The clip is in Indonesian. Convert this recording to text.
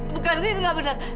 bukan ini nggak benar